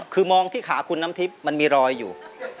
คือมองที่ขาคุณน้ำทิพย์มันมีรอยอยู่